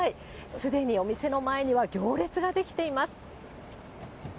すでにお店の前には行列が出来ています。